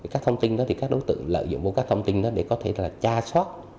các thông tin đó thì các đối tượng lợi dụng vào các thông tin đó để có thể là cha soát